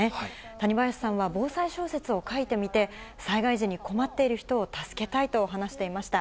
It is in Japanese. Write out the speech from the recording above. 谷林さんは、防災小説を書いてみて、災害時に困っている人を助けたいと話していました。